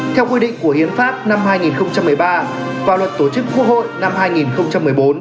theo quy định của hiến pháp năm hai nghìn một mươi ba và luật tổ chức quốc hội năm hai nghìn một mươi bốn